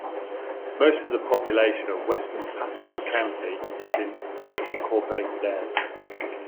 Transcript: Most of the population of western Pasco County is in unincorporated areas.